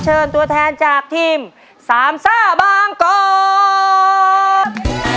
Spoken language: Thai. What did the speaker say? เชิญตัวแทนจากทีมสามซ่าบางกอก